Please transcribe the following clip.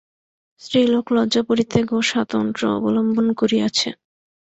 স্ত্রীলোক লজ্জা পরিত্যাগ ও স্বাতন্ত্র্য অবলম্বন করিয়াছে।